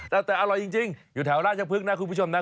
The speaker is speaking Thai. แต่อร่อยจริงอยู่แถวราชพฤกษ์นะคุณผู้ชมนะ